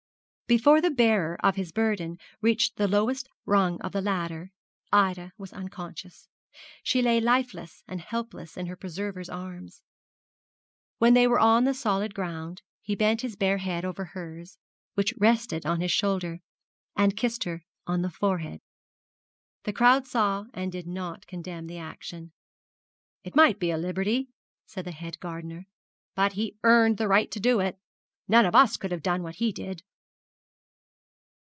Before the bearer of his burden reached the lowest rung of the ladder, Ida was unconscious. She lay lifeless and helpless in her preserver's arms. When they were on the solid ground, he bent his bare head over hers, which rested on his shoulder, and kissed her on the forehead. The crowd saw and did not condemn the action. 'It might be a liberty,' said the head gardener, 'but he'd earned the right to do it. None of us could have done what he did.'